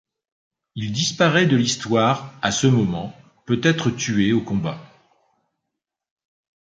Il disparaît de l'histoire à ce moment, peut-être tué au combat.